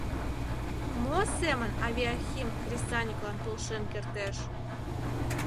Мо семын авиахим кресаньыклан полшен кертеш?